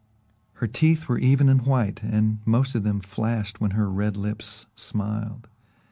Her teeth were even and white, and most of them flashed when her red lips smiled.